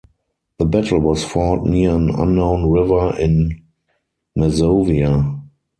The battle was fought near an unknown river in Masovia.